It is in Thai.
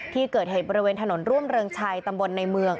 ที่เกิดเหตุบริเวณถนนร่วมเริงชัยตำบลในเมือง